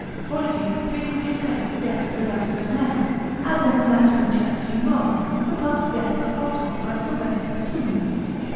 (prodigies frequently occur at the deaths of illustrious men), as in the Lateran church in Rome, the popes' deaths are foretold by Sylvester's tomb.